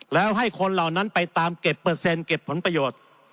แล้วให้คนเหล่านั้นไปตามเก็บเปอร์เซ็นต์เก็บผลประโยชน์